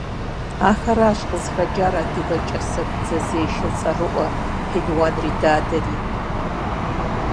Ахэрщ къызыхэкӀар адыгэ кӀэсэгу дзэзешэ цӀэрыӀуэ, пелуан Ридадэри.